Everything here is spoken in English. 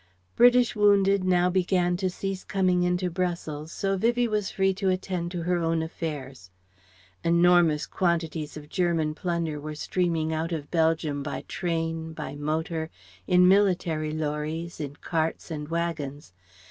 British wounded now began to cease coming into Brussels, so Vivie was free to attend to her own affairs. Enormous quantities of German plunder were streaming out of Belgium by train, by motor, in military lorries, in carts and waggons.